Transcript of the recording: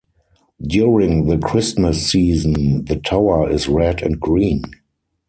During the Christmas season, the tower is red and green.